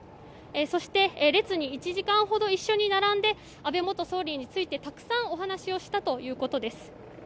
そして、列に１時間ほど一緒に並んで安倍元総理についてたくさんお話をしたということです。